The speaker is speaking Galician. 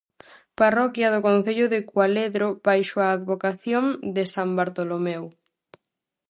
Parroquia do concello de Cualedro baixo a advocación de san Bartolomeu.